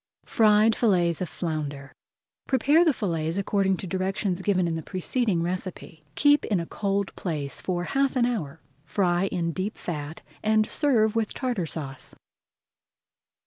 FRIED FILLETS OF FLOUNDER Prepare the fillets according to directions given in the preceding recipe. Keep in a cold place for half an hour, fry in deep fat, and serve with Tartar Sauce.